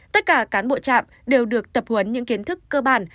tất cả cán bộ trạm đều được tập huấn những kiến thức cơ bản